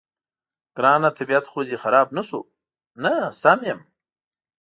ګرانه، طبیعت خو دې خراب نه شو؟ نه، سم یم.